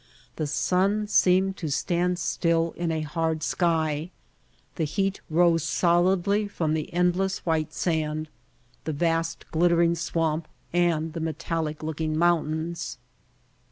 The sun seemed to stand still in a hard sky. The heat rose solidly from the endless white sand, the vast glistening swamp and the metallic look ing mountains.